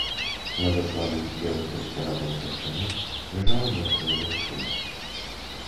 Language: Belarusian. На засланым белым прасцірадлам тапчане ляжала мёртвая дзяўчына.